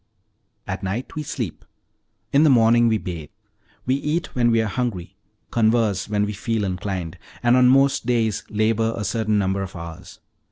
At night we sleep; in the morning we bathe; we eat when we are hungry, converse when we feel inclined, and on most days labor a certain number of hours.